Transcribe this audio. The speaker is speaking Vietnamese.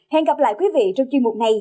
hẹn gặp lại quý vị trong chuyên mục này